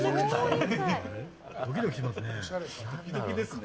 ドキドキしますね。